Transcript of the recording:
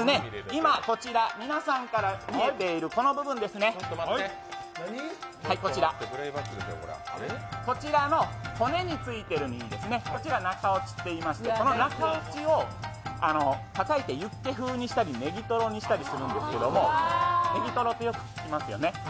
今、皆さんから見えているこの部分ですね、こちらの骨についているところ、中落ちといいまして、中落ちをたたいてユッケ風にしたり、ネギトロにしたりするんですけど、ネギトロってよく聞きますよね。